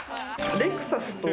レクサスと。